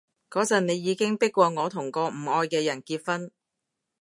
嗰陣你已經迫過我同個唔愛嘅人結婚